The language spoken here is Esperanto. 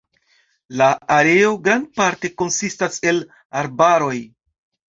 La areo grandparte konsistas el arbaroj.